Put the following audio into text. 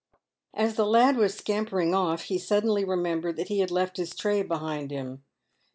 As the lad was scampering off, he suddenly remembered that he had left his tray behind him.